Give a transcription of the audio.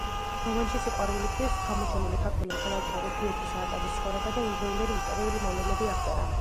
რომანში „სიყვარულისთვის“ გამოჩენილი ქართველი მხედართმთავრის, გიორგი სააკაძის, ცხოვრება და იმდროინდელი ისტორიული მოვლენები აღწერა.